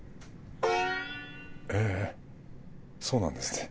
ええそうなんですね。